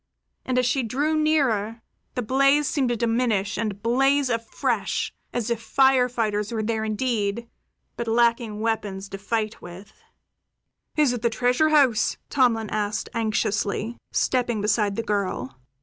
And as she drew nearer, the blaze seemed to diminish and blaze afresh as if fire fighters were there indeed, but lacking weapons to fight with. "Is it the treasure house?" Tomlin asked anxiously, stepping beside the girl.